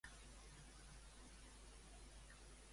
Va informar de la creació de Solidarność?